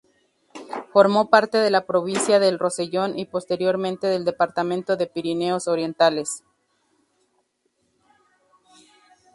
Formó parte de la provincia del Rosellón y, posteriormente, del departamento de Pirineos Orientales.